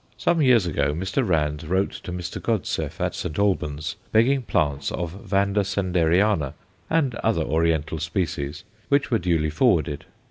Some years ago Mr. Rand wrote to Mr. Godseff, at St. Albans, begging plants of Vanda Sanderiana and other Oriental species, which were duly forwarded.